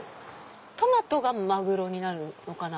トマトがマグロになるのかな？